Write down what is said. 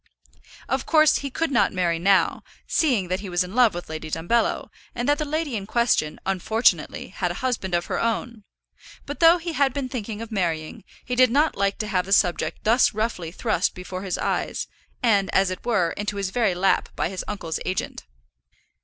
Of course he could not marry now, seeing that he was in love with Lady Dumbello, and that the lady in question, unfortunately, had a husband of her own; but though he had been thinking of marrying, he did not like to have the subject thus roughly thrust before his eyes, and, as it were, into his very lap by his uncle's agent.